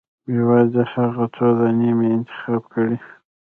یوازې هغه څو دانې مې انتخاب کړې.